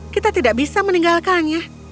kita tidak bisa meninggalkannya